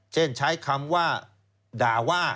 เช่นใช้คำว่าด่าว่า